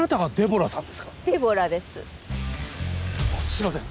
すいません